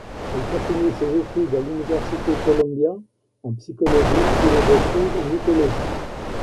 Elle continue ses études à l’université Columbia, en psychologie, philosophie et mythologie.